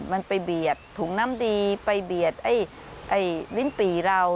มันไปเบียดถุงน้ำดีไปเบียดลิ้นปี่เรา